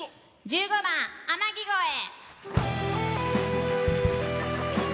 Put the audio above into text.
１５番「天城越え」。